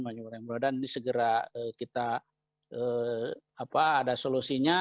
dan ini segera kita ada solusinya